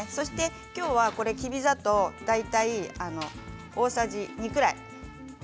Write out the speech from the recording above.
きょうはきび砂糖大体、大さじ２くらい。